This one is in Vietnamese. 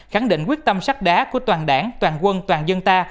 khẳng định quyết tâm sắc đá của toàn đảng toàn quân toàn dân ta